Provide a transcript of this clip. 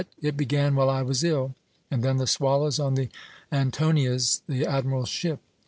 It began while I was ill. And then the swallows on the Antonias, the admiral's ship.